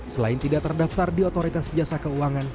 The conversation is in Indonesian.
selain tidak terdaftar di otoritas jasa keuangan